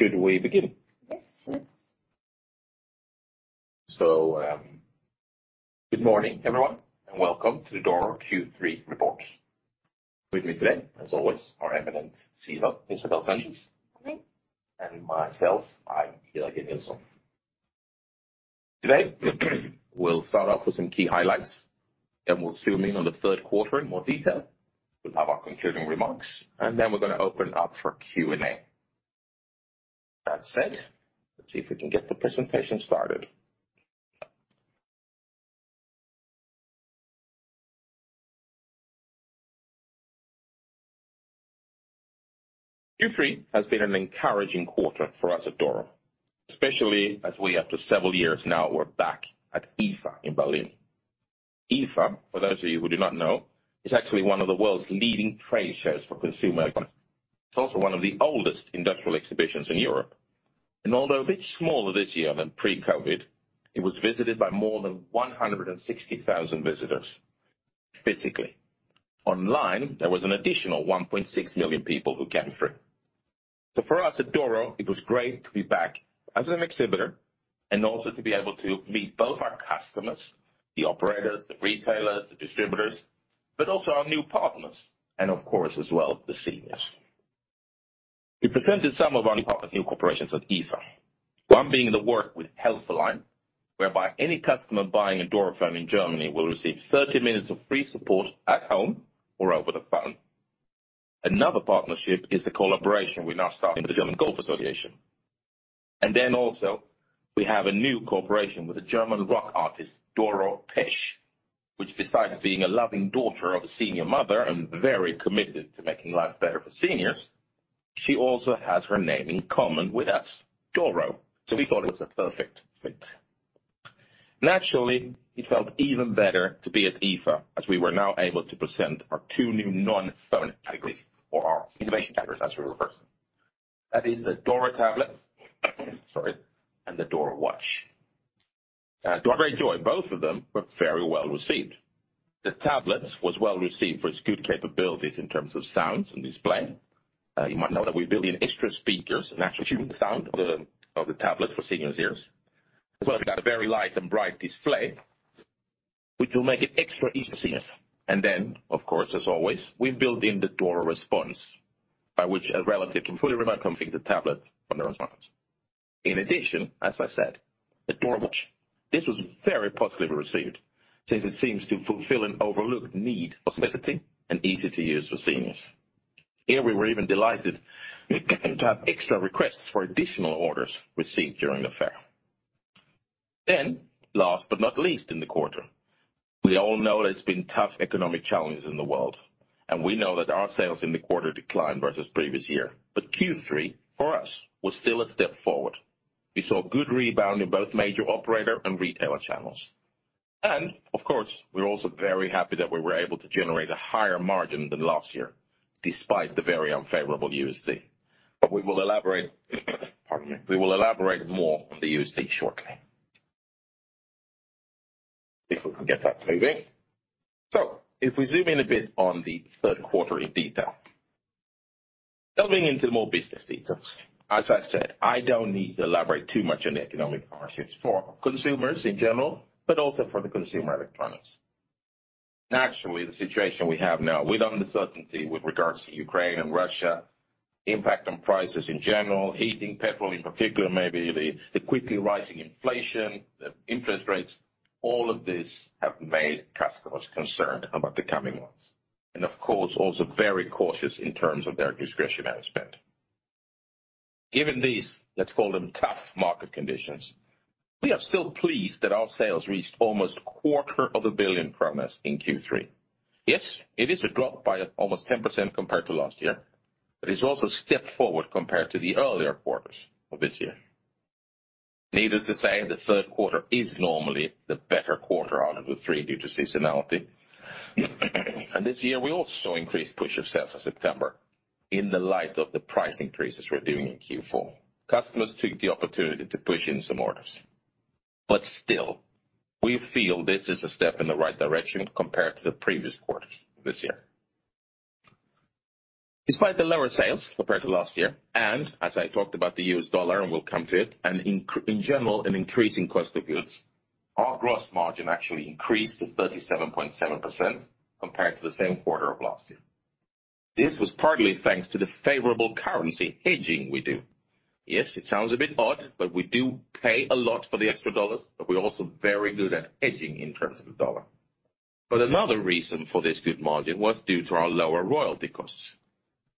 Should we begin? Yes, let's. Good morning, everyone, and welcome to the Doro Q3 report. With me today, as always, our eminent CEO, Isabelle Senges. Morning. Myself, I'm Jörgen Nilsson. Today, we'll start off with some key highlights, then we'll zoom in on the third quarter in more detail. We'll have our concluding remarks, and then we're going to open up for Q&A. That said, let's see if we can get the presentation started. Q3 has been an encouraging quarter for us at Doro, especially as we, after several years now, we're back at IFA in Berlin. IFA, for those of you who do not know, is actually one of the world's leading trade shows for consumer electronics. It's also one of the oldest industrial exhibitions in Europe. Although a bit smaller this year than pre-COVID-19, it was visited by more than 160,000 visitors physically. Online, there was an additional 1.6 million people who came through. For us at Doro, it was great to be back as an exhibitor and also to be able to meet both our customers, the operators, the retailers, the distributors, but also our new partners and of course, as well, the seniors. We presented some of our new partner new corporations at IFA. One being the work with Helpline, whereby any customer buying a Doro phone in Germany will receive 30 minutes of free support at home or over the phone. Another partnership is a collaboration we're now starting with the Deutscher Golf Verband. We have a new cooperation with the German rock artist, Doro Pesch, which besides being a loving daughter of a senior mother and very committed to making life better for seniors, she also has her name in common with us, Doro. We thought it was a perfect fit. Naturally, it felt even better to be at IFA as we were now able to present our two new non-phone categories or our innovation categories as we refer. That is the Doro Tablet, sorry, and the Doro Watch. To our great joy, both of them were very well-received. The tablets was well-received for its good capabilities in terms of sounds and display. You might know that we built in extra speakers and actually tune the sound of the tablet for seniors' ears. As well, we got a very light and bright display, which will make it extra easy to see. Of course, as always, we built in the Doro Response, by which a relative can fully remote configure the tablet on the response. In addition, as I said, the Doro Watch. This was very positively received since it seems to fulfill an overlooked need for specificity and easy to use for seniors. Here we were even delighted to have extra requests for additional orders received during the fair. Last but not least in the quarter, we all know that it's been tough economic challenges in the world, and we know that our sales in the quarter declined versus previous year. Q3 for us was still a step forward. We saw good rebound in both major operator and retailer channels. Of course, we're also very happy that we were able to generate a higher margin than last year despite the very unfavorable U.S. dollar. We will elaborate, pardon me. We will elaborate more on the U.S. dollar shortly. If we can get that moving. If we zoom in a bit on the third quarter in detail. Delving into more business detail, as I said, I don't need to elaborate too much on the economic hardships for consumers in general, but also for the consumer electronics. Naturally, the situation we have now with uncertainty with regards to Ukraine and Russia, impact on prices in general, heating, petrol in particular, maybe the quickly rising inflation, the interest rates, all of these have made customers concerned about the coming months, and of course, also very cautious in terms of their discretionary spend. Given these, let's call them tough market conditions, we are still pleased that our sales reached almost quarter of a billion kronor in Q3. Yes, it is a drop by almost 10% compared to last year, but it's also a step forward compared to the earlier quarters of this year. Needless to say, the third quarter is normally the better quarter out of the three due to seasonality. This year, we also increased push of sales in September in the light of the price increases we're doing in Q4. Customers took the opportunity to push in some orders. Still, we feel this is a step in the right direction compared to the previous quarters this year. Despite the lower sales compared to last year, and as I talked about the U.S. dollar, and we'll come to it, and in general, an increasing cost of goods, our gross margin actually increased to 37.7% compared to the same quarter of last year. This was partly thanks to the favorable currency hedging we do. Yes, it sounds a bit odd, but we do pay a lot for the extra dollars, but we're also very good at hedging in terms of the dollar. Another reason for this good margin was due to our lower royalty costs.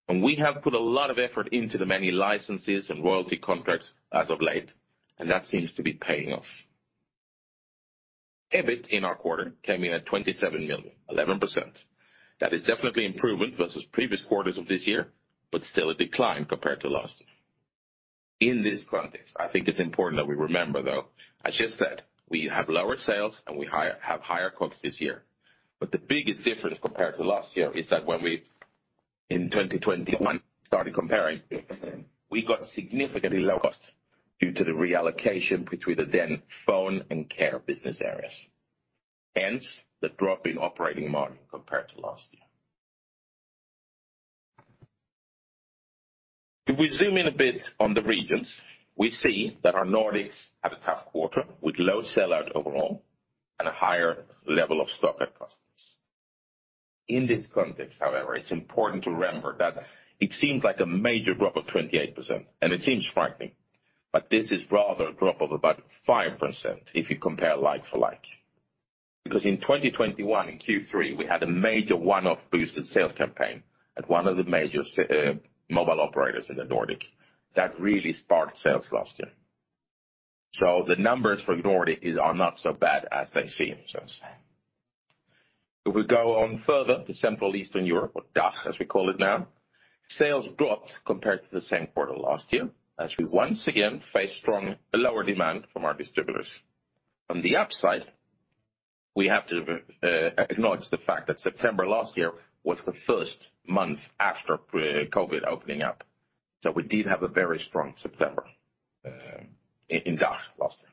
We have put a lot of effort into the many licenses and royalty contracts as of late, and that seems to be paying off. EBIT in our quarter came in at 27 million, 11%. That is definitely improvement versus previous quarters of this year, but still a decline compared to last year. In this context, I think it's important that we remember, though, as she has said, we have lower sales and have higher costs this year. The biggest difference compared to last year is that when we in 2021 started comparing, we got significantly low costs due to the reallocation between the then Phone and Care business areas. Hence, the drop in operating margin compared to last year. If we zoom in a bit on the regions, we see that our Nordicss had a tough quarter with low sell-out overall and a higher level of stock at customers. In this context, however, it's important to remember that it seems like a major drop of 28%, and it seems frightening, but this is rather a drop of about 5% if you compare like for like. Because in 2021, in Q3, we had a major one-off boosted sales campaign at one of the major mobile operators in the Nordicss that really sparked sales last year. The numbers for Nordics are not so bad as they seem, so to say. If we go on further to Central & Eastern Europe or DACH, as we call it now, sales dropped compared to the same quarter last year as we once again faced strong lower demand from our distributors. On the upside, we have to acknowledge the fact that September last year was the first month after post-COVID-19 opening up, so we did have a very strong September in DACH last year.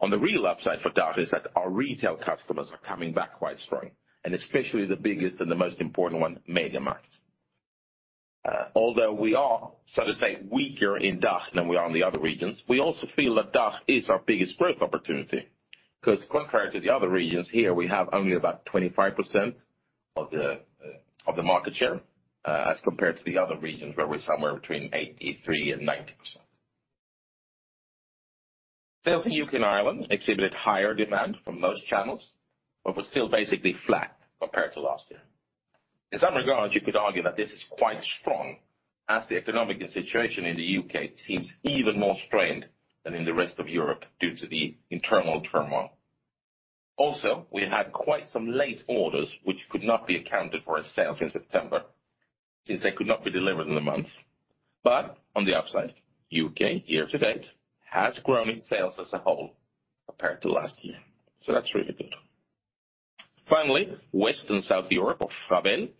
On the real upside for DACH is that our retail customers are coming back quite strong, and especially the biggest and the most important one, MediaMarkt. Although we are, so to say, weaker in DACH than we are in the other regions, we also feel that DACH is our biggest growth opportunity, 'cause contrary to the other regions, here we have only about 25% of the market share, as compared to the other regions where we're somewhere between 83% and 90%. Sales inUK and Ireland exhibited higher demand from most channels but were still basically flat compared to last year. In some regards, you could argue that this is quite strong, as the economic situation in theUK seems even more strained than in the rest of Europe due to the internal turmoil. Also, we had quite some late orders which could not be accounted for as sales in September since they could not be delivered in the month. UK year to date has grown in sales as a whole compared to last year, so that's really good. Finally, Western South Europe or WSE,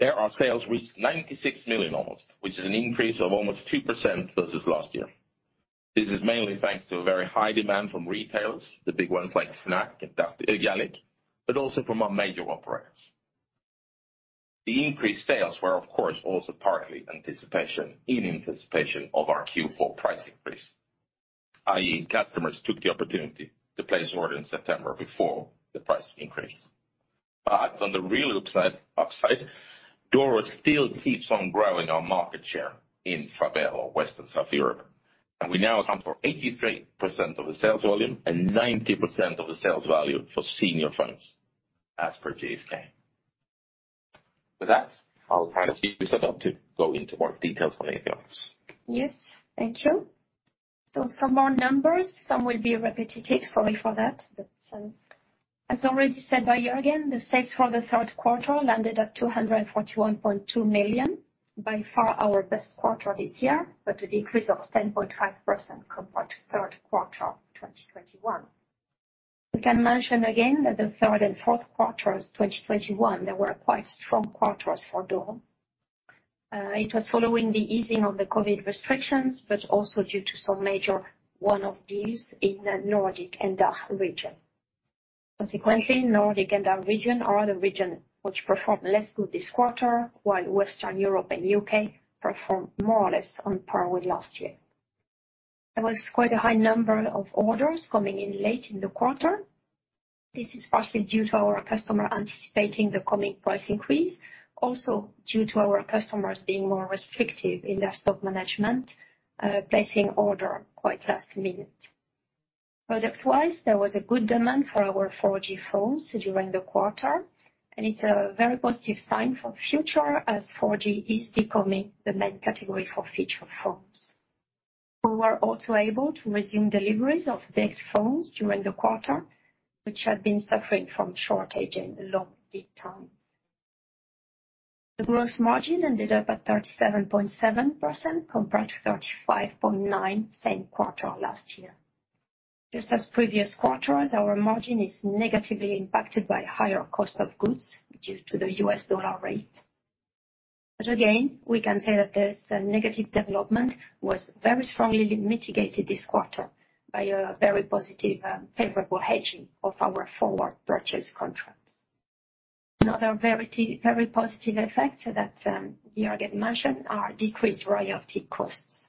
there our sales reached 96 million almost, which is an increase of almost 2% versus last year. This is mainly thanks to a very high demand from retailers, the big ones like Fnac Darty, but also from our major operators. The increased sales were, of course, also partly in anticipation of our Q4 price increase,i.e. customers took the opportunity to place orders in September before the price increased. On the real upside, Doro still keeps on growing our market share in WSE or Western South Europe, and we now account for 83% of the sales volume and 90% of the sales value for senior phones as perGfK. With that, I'll hand over to Isabelle to go into more details on the accounts. Yes. Thank you. Some more numbers. Some will be repetitive. Sorry for that. As already said by Jörgen, the sales for the third quarter landed at 241.2 million, by far our best quarter this year, but a decrease of 10.5% compared to third quarter 2021. We can mention again that the third and fourth quarters 2021, they were quite strong quarters for Doro. It was following the easing of the COVID-19 restrictions, but also due to some major one-off deals in the Nordics and DACH region. Consequently, Nordics and DACH region are the region which performed less good this quarter, while Western Europe and UK performed more or less on par with last year. There was quite a high number of orders coming in late in the quarter. This is partly due to our customer anticipating the coming price increase, also due to our customers being more restrictive in their stock management, placing order quite last minute. Product-wise, there was a good demand for our 4G phones during the quarter, and it's a very positive sign for future as 4G is becoming the main category for feature phones. We were also able to resume deliveries of these phones during the quarter, which had been suffering from shortage and long lead times. The gross margin ended up at 37.7% compared to 35.9% same quarter last year. Just as previous quarters, our margin is negatively impacted by higher cost of goods due to the U.S. dollar rate. Again, we can say that this negative development was very strongly mitigated this quarter by a very positive, favorable hedging of our forward purchase contracts. Another very positive effect that Jörgen mentioned are decreased royalty costs.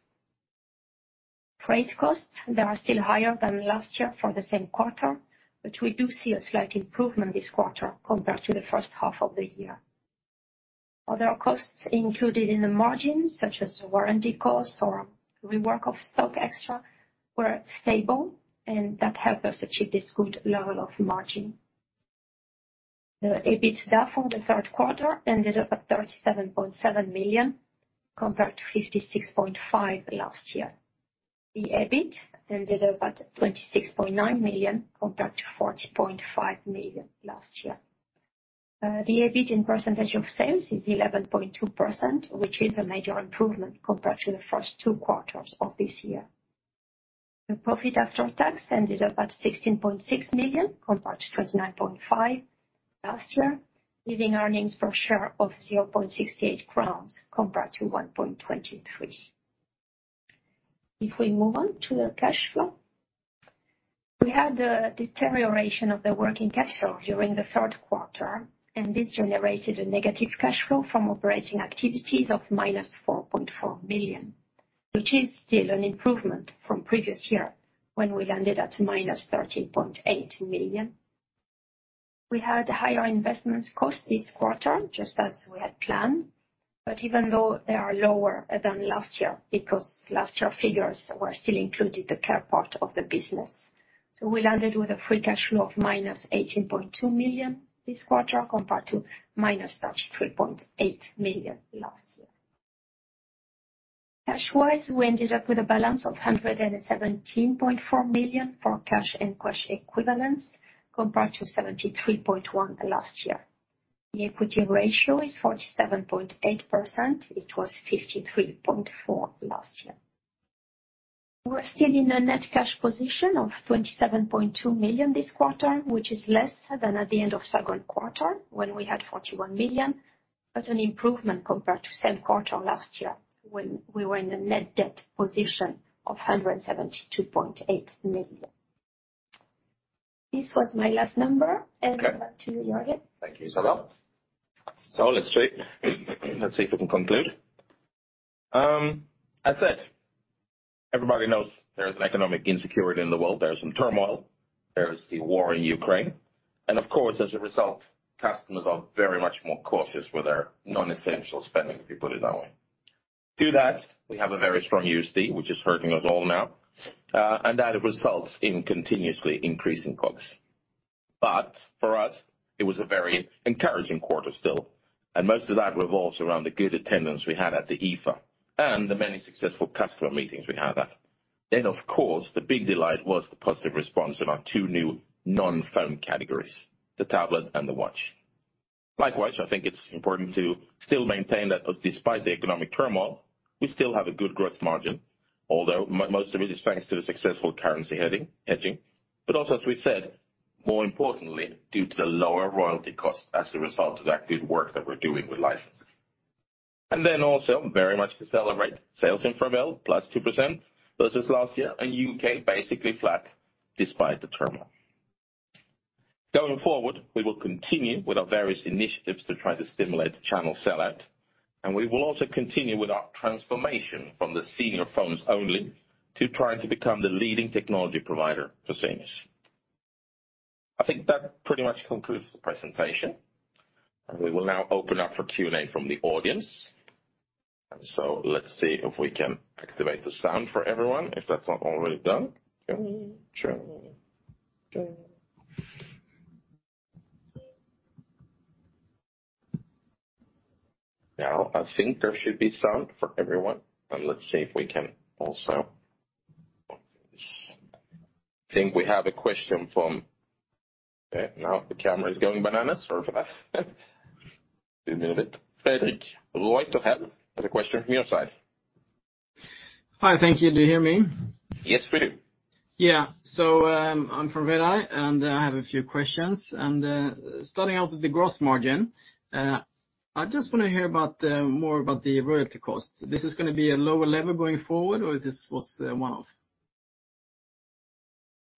Freight costs, they are still higher than last year for the same quarter, but we do see a slight improvement this quarter compared to the first half of the year. Other costs included in the margin, such as warranty costs or rework of stock extra, were stable, and that helped us achieve this good level of margin. The EBIT therefore the third quarter ended up at 37.7 million, compared to 56.5 million last year. The EBIT ended up at 26.9 million, compared to 40.5 million last year. The EBIT in percentage of sales is 11.2%, which is a major improvement compared to the first two quarters of this year. The profit after tax ended up at 16.6 million, compared to 29.5 million last year. Leaving earnings per share of 0.68 crowns compared to 1.23. If we move on to the cash flow. We had the deterioration of the working capital during the third quarter, and this generated a negative cash flow from operating activities of -4.4 million, which is still an improvement from previous year, when we landed at -13.8 million. We had higher investment costs this quarter, just as we had planned, but even though they are lower than last year, because last year figures were still included the care part of the business. We landed with a free cash flow of -18.2 million this quarter, compared to -13.8 million last year. Cash-wise, we ended up with a balance of 117.4 million for cash and cash equivalents, compared to 73.1 million last year. The equity ratio is 47.8%. It was 53.4% last year. We're still in a net cash position of 27.2 million this quarter, which is less than at the end of second quarter when we had 41 million, but an improvement compared to same quarter last year when we were in a net debt position of 172.8 million. This was my last number. Okay. Back to you, Jörgen. Thank you, Isabelle. Let's see if we can conclude. As said, everybody knows there's an economic insecurity in the world, there's some turmoil, there's the war in Ukraine. Of course, as a result, customers are very much more cautious with their non-essential spending, if you put it that way. To that, we have a very strong U.S. dollar, which is hurting us all now, and that results in continuously increasing costs. For us, it was a very encouraging quarter still, and most of that revolves around the good attendance we had at the IFA and the many successful customer meetings we had there. Of course, the big delight was the positive response in our two new non-phone categories, the tablet and the watch. Likewise, I think it's important to still maintain that despite the economic turmoil, we still have a good gross margin, although most of it is thanks to the successful currency hedging, but also, as we said, more importantly, due to the lower royalty cost as a result of that good work that we're doing with licenses. Also, very much to celebrate, sales in France +2% versus last year, and UK basically flat despite the turmoil. Going forward, we will continue with our various initiatives to try to stimulate the channel sellout, and we will also continue with our transformation from the senior phones only to trying to become the leading technology provider for seniors. I think that pretty much concludes the presentation, and we will now open up for Q&A from the audience. Let's see if we can activate the sound for everyone, if that's not already done. Yeah, sure. Now, I think there should be sound for everyone. Okay, now the camera is going bananas for us. A little bit. Fredrik ADC has a question from your side. Hi. Thank you. Do you hear me? Yes, we do. Yeah. I'm from Redeye, and I have a few questions. Starting out with the gross margin, I just want to hear more about the royalty costs. This is going to be a lower level going forward, or this was a one-off?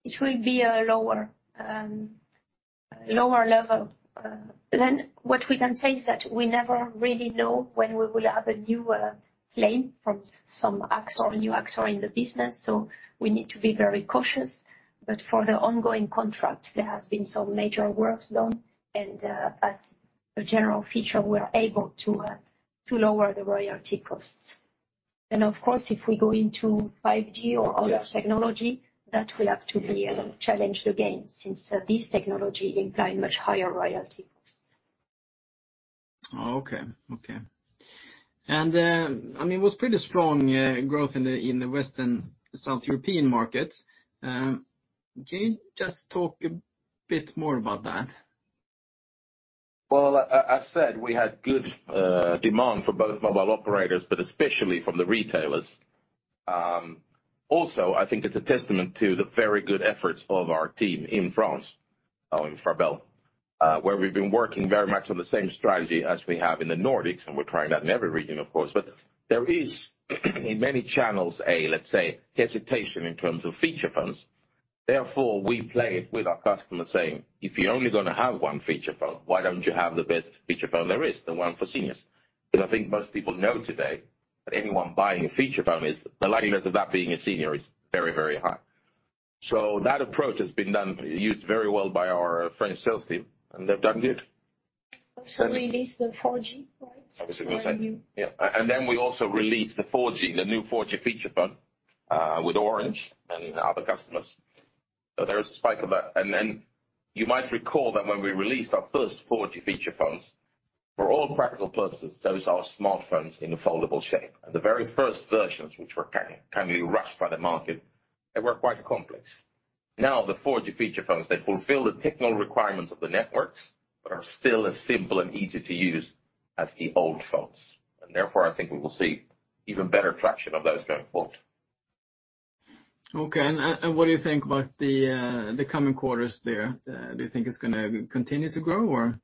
It will be a lower level. What we can say is that we never really know when we will have a new claim from some new actor in the business, so we need to be very cautious. For the ongoing contract, there has been some major works done, and as a general feature, we are able to lower the royalty costs. Of course, if we go into 5G or other technology, that will have to be a challenge again since this technology imply much higher royalty costs. Oh, okay. Okay. I mean, it was pretty strong growth in the Western South European markets. Can you just talk a bit more about that? Well, as said, we had good demand for both mobile operators, but especially from the retailers. Also, I think it's a testament to the very good efforts of our team in France, in Benelux, where we've been working very much on the same strategy as we have in the Nordicss, and we're trying that in every region, of course. There is, in many channels, a let's say, hesitation in terms of feature phones. Therefore, we play it with our customers saying, "If you're only going to have one feature phone, why don't you have the best feature phone there is, the one for seniors?" 'Cause I think most people know today that anyone buying a feature phone is, the likeness of that being a senior is very, very high. that approach has been done, used very well by our French sales team, and they've done good. Also released the 4G, right? I was going to say. The new- Yeah. We also released the 4G, the new 4G feature phone, with Orange and other customers. There is a spike of that. You might recall that when we released our first 4G feature phones, for all practical purposes, those are smartphones in a foldable shape. The very first versions, which were kindly rushed by the market, they were quite complex. Now, the 4G feature phones, they fulfill the technical requirements of the networks, but are still as simple and easy to use as the old phones. Therefore, I think we will see even better traction of those going forward. Okay. What do you think about the coming quarters there? Do you think it's going to continue to grow or?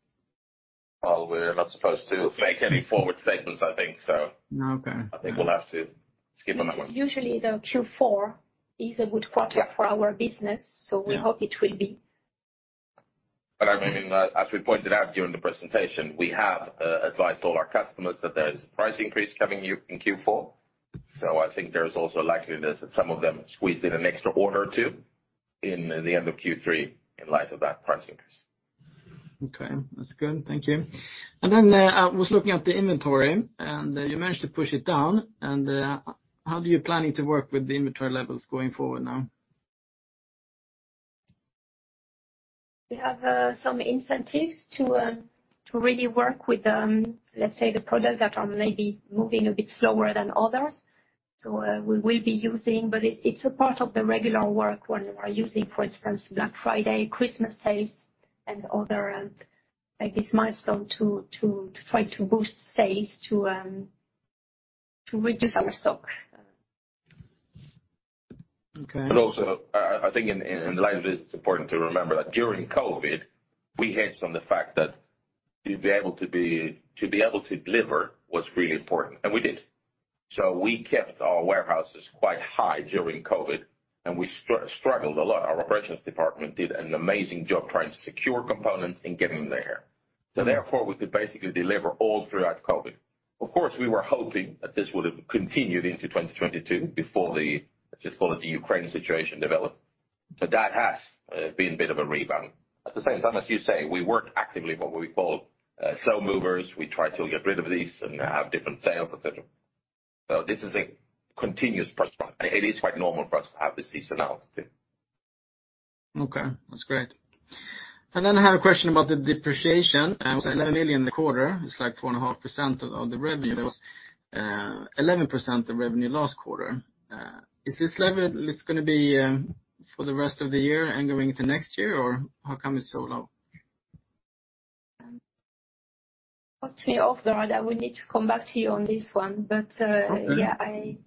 Well, we're not supposed to make any forward statements, I think. Okay. I think we'll have to skip on that one. Usually, the Q4 is a good quarter for our business. Yeah. We hope it will be. I mean, as we pointed out during the presentation, we have advised all our customers that there is a price increase coming in Q4. I think there's also a likelihood that some of them squeezed in an extra order or two in the end of Q3 in light of that price increase. Okay, that's good. Thank you. I was looking at the inventory, and you managed to push it down. How do you planning to work with the inventory levels going forward now? We have some incentives to really work with, let's say, the products that are maybe moving a bit slower than others. It's a part of the regular work when we're using, for instance, Black Friday, Christmas sales and other like this milestone to try to boost sales to reduce our stock. Okay. I think in light of it's important to remember that during COVID-19, we hedged on the fact that to be able to deliver was really important, and we did. We kept our warehouses quite high during COVID-19, and we struggled a lot. Our operations department did an amazing job trying to secure components and getting them there. Therefore, we could basically deliver all throughout COVID-19. Of course, we were hoping that this would have continued into 2022 before the, let's just call it, the Ukraine situation developed. That has been a bit of a rebound. At the same time, as you say, we work actively on what we call slow movers. We try to get rid of these and have different sales, et cetera. This is a continuous pressure. It is quite normal for us to have the seasonality. Okay, that's great. I have a question about the depreciation. 1 million a quarter is like 2.5% of the revenues. 11% of revenue last quarter. Is this level going to be for the rest of the year and going into next year or how come it's so low? Caught me off guard. I would need to come back to you on this one. Okay. Yeah, I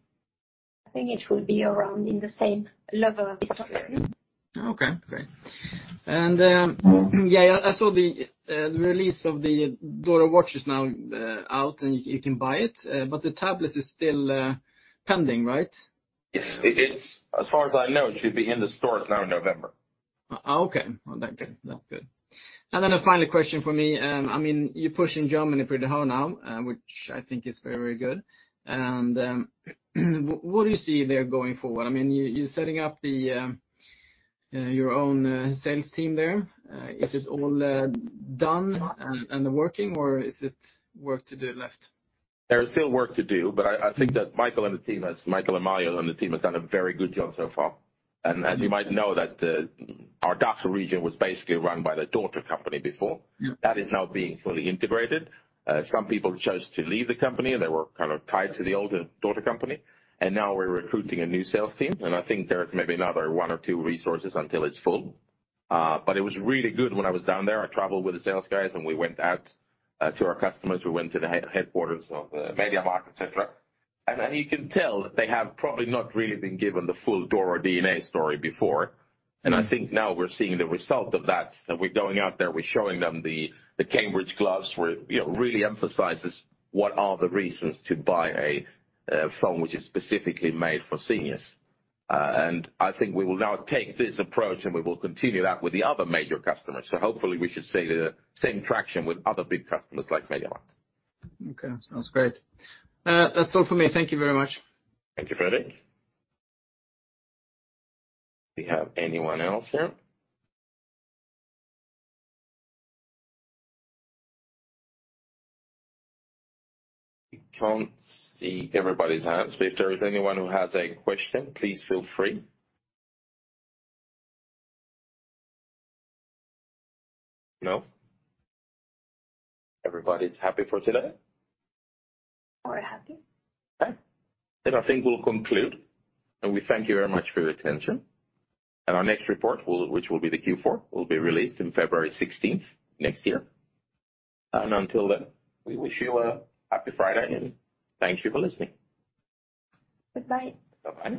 think it will be around the same level of history. Okay, great. Yeah, I saw the release of the Doro Watch is now out and you can buy it, but the Doro Tablet is still pending, right? As far as I know, it should be in the stores now in November. Okay. Well, that's good. That's good. A final question for me, I mean, you push in Germany pretty hard now, which I think is very good. What do you see there going forward? I mean, you're setting up your own sales team there. Is it all done and working or is it work to do left? There is still work to do, but I think that Michael and Mario and the team has done a very good job so far. As you might know, our DACH region was basically run by the Doro company before. Yeah. That is now being fully integrated. Some people chose to leave the company. They were kind of tied to the older Doro company. Now we're recruiting a new sales team, and I think there's maybe another one or two resources until it's full. But it was really good. When I was down there, I traveled with the sales guys and we went out to our customers. We went to the headquarters of the MediaMarkt, et cetera. You can tell that they have probably not really been given the full Doro DNA story before. Mm-hmm. I think now we're seeing the result of that. We're going out there, we're showing them the Cambridge Simulation Gloves, where you know really emphasizes what are the reasons to buy a phone which is specifically made for seniors. I think we will now take this approach, and we will continue that with the other major customers. Hopefully we should see the same traction with other big customers like MediaMarkt. Okay, sounds great. That's all for me. Thank you very much. Thank you, Fredrik. Do we have anyone else here? I can't see everybody's hands, but if there is anyone who has a question, please feel free. No? Everybody's happy for today? We're happy. Okay. I think we'll conclude, and we thank you very much for your attention. Our next report, which will be the Q4, will be released in February 16 next year. Until then, we wish you a happy Friday, and thank you for listening. Goodbye. Bye.